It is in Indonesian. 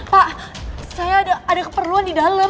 pak saya ada keperluan di dalam